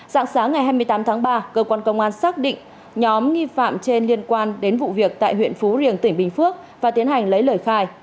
dạng sáng ngày hai mươi tám tháng ba cơ quan công an xác định nhóm nghi phạm trên liên quan đến vụ việc tại huyện phú riềng tỉnh bình phước và tiến hành lấy lời khai